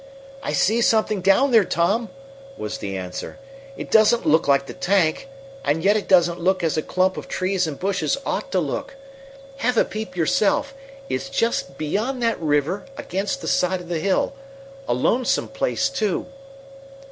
"I see something down there, Tom," was the answer. "It doesn't look like the tank, and yet it doesn't look as a clump of trees and bushes ought to look. Have a peep yourself. It's just beyond that river, against the side of the hill a lonesome place, too."